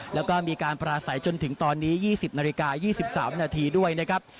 แล้วก็มีการประสัยจนถึงตอนนี้๒๐นด้วยนะครับ